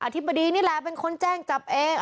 ธิบดีนี่แหละเป็นคนแจ้งจับเอง